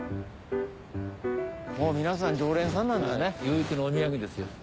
・もう皆さん常連さんなんですね。